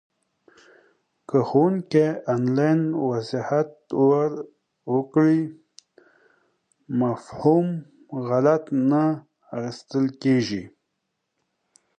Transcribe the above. که ښوونکی انلاین وضاحت وکړي، مفهوم غلط نه اخېستل کېږي.